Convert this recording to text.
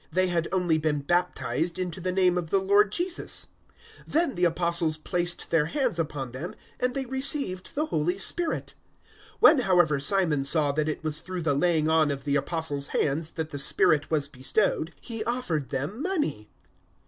They had only been baptized into the name of the Lord Jesus. 008:017 Then the Apostles placed their hands upon them, and they received the Holy Spirit. 008:018 When, however, Simon saw that it was through the laying on of the Apostles' hands that the Spirit was bestowed, he offered them money.